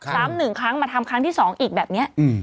ซ้ำ๑ครั้งมาทำครั้งที่๒อีกแบบนี้